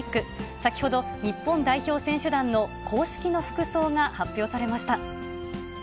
先ほど、日本代表選手団の公式の服装が発表されました。